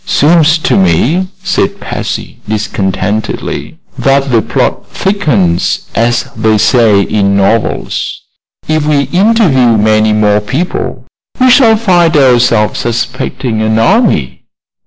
"Seems to me," said Patsy, discontentedly, "that the plot thickens, as they say in novels. If we interview many more people we shall find ourselves suspecting an army."